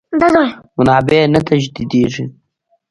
منابع نه تجدیدېږي.